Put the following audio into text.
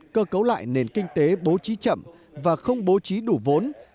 cơ cấu lại nền kinh tế bố trí chậm và không bố trí đủ vốn